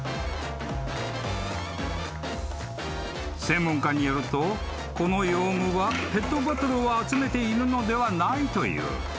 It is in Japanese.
［専門家によるとこのヨウムはペットボトルを集めているのではないという］